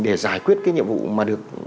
để giải quyết cái nhiệm vụ mà được